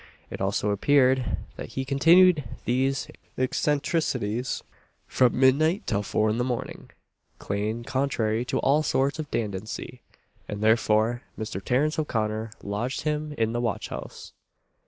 It also appeared that he continued these eccentricities from midnight till four in the morning, "clane contrary to all sorts of dacency;" and therefore Mr. Terence O'Connor lodged him in the watch house.